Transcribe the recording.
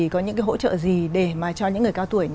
có những hỗ trợ gì để cho những người cao tuổi